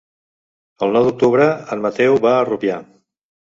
El nou d'octubre en Mateu va a Rupià.